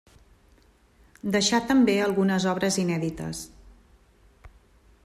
Deixà també algunes obres inèdites.